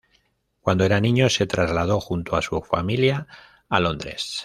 Cuando era niño se trasladó junto a su familia a Londres.